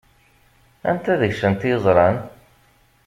Anta deg-sent i yeẓṛan?